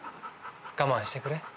我慢してくれ。